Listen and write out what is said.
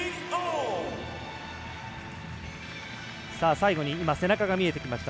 最後に背中が見えてきました